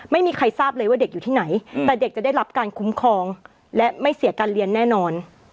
ไม่มีใครทราบเลยว่าเด็กอยู่ที่ไหนแต่เด็กจะได้รับการคุ้มครองและไม่เสียการเรียนแน่นอน